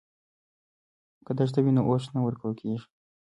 که دښته وي نو اوښ نه ورکیږي.